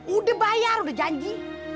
udah bayar udah janji